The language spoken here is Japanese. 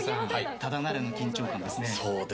ただならぬ緊張感ですね。